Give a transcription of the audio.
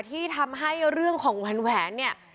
ที่ทำให้เรื่องของแหวนเนี่ย